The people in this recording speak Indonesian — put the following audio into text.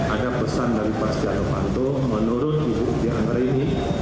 ada pesan dari pak setiano panto menurut tujuh anggara ini